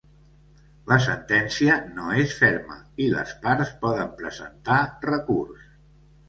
La sentència no és ferma i les parts poden presentar recurs.